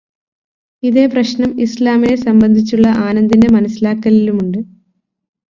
ഇതേ പ്രശ്നം ഇസ്ലാമിനെ സംബന്ധിച്ചുള്ള ആനന്ദിന്റെ മനസ്സിലാക്കലിലുമുണ്ട്.